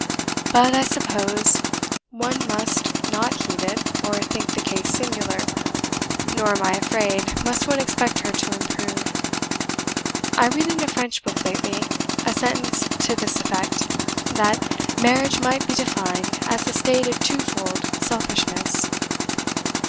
But I suppose one must not heed it, or think the case singular. Nor, I am afraid, must one expect her to improve. I read in a French book lately, a sentence to this effect, that 'marriage might be defined as the state of two fold selfishness.'